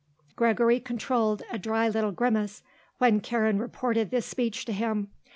Gregory controlled a dry little grimace when Karen reported this speech to him.